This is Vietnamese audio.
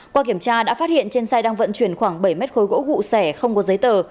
qua kiểm tra đã phát hiện trên xe đang vận chuyển khoảng bảy m khối gỗ gụ xẻ không có giấy tờ